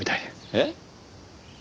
えっ？